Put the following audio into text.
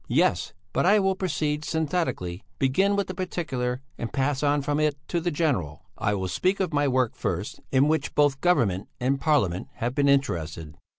Yes! but I will proceed synthetically, begin with the particular and pass on from it to the general. I will speak of my work first, in which both Government and Parliament have been interested.